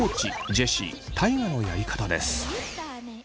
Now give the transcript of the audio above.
ジェシー大我のやり方です。